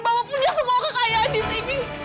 bapak punya semua kekayaan di sini